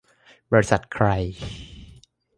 บริษัทใคร ?